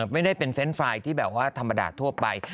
ไม่ได้เป็นเรนด์ไฟล์ที่แบบว่าธรรมดาทั่วไป